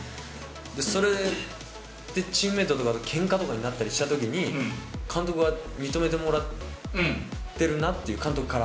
それでチームメートとかとけんかとかになったりしたときに、監督に認めてもらってるなって、監督から。